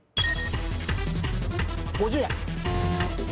５０円。